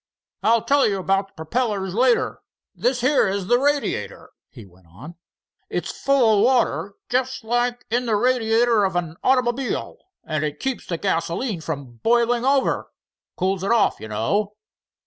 "I'll tell you about the perpellers later. This here's the radiator," he went on. "It's full of water, just like in the radiator of an automobile, and it keeps the gasoline from boiling over—cools it off you know."